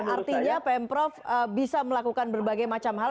artinya pm prof bisa melakukan berbagai macam hal